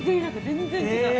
全然違う。